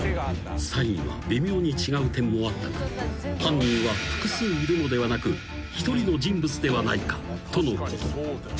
［サインは微妙に違う点もあったが犯人は複数いるのではなく一人の人物ではないかとのこと］